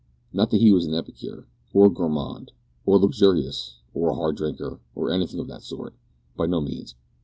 Not that he was an epicure, or a gourmand, or luxurious, or a hard drinker, or anything of that sort by no means.